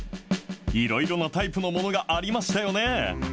いろいろなタイプのものがありましたよね。